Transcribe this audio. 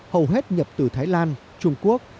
hầu hết nhập từ thái lan trung quốc